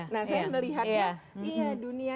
nah saya melihatnya